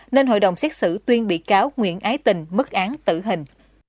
nên hội đồng xét xử tuyên bị cáo nguyễn ái tình mức án tử hình